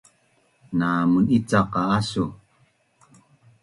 na municaq qa asu?